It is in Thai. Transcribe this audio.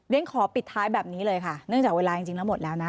ขอปิดท้ายแบบนี้เลยค่ะเนื่องจากเวลาจริงแล้วหมดแล้วนะ